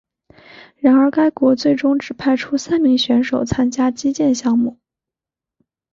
然而该国最终只派出三名选手参加击剑项目。